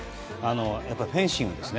やっぱりフェンシングですね。